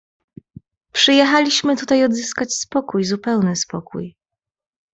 "Przyjechaliśmy tutaj odzyskać spokój, zupełny spokój."